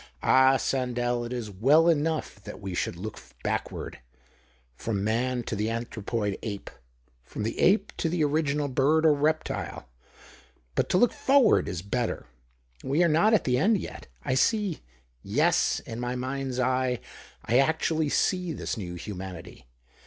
Ah, Sandell, it is well enough that THE OCTAVE OF CLAUDIUS. 101 we should look backward — from man to the anthropoid ape, from the ape to the original bird or reptile : but to look forward is better. We are not at the end yet. I see — yes, in my mind's eye, I actually see — this new humanity.